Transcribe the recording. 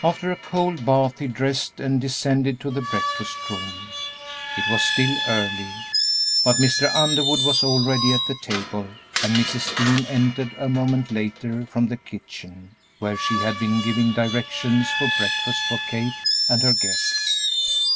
After a cold bath he dressed and descended to the breakfast room. It was still early, but Mr. Underwood was already at the table and Mrs. Dean entered a moment later from the kitchen, where she had been giving directions for breakfast for Kate and her guests.